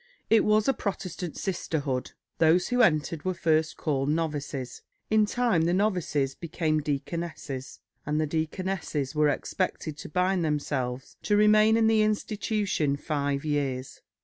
It was a Protestant sisterhood; those who entered were first called novices; in time the novices became deaconesses, and the deaconesses were expected to bind themselves to remain in the institution five years.